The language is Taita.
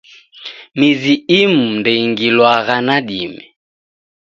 Mizi imu ndeingilwagha nadime